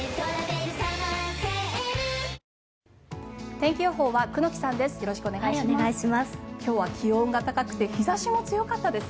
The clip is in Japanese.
天気予報は久能木さんです。